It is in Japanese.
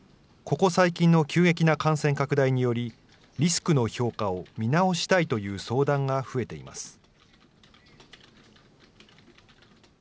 ここ最近の急激な感染拡大により、リスクの評価を見直したいという相談が増えています。